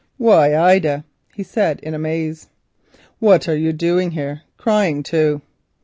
"Why, Ida," he said in amaze, "what are you doing here, crying too?"